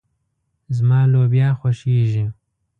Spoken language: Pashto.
زما لوبيا خوښيږي.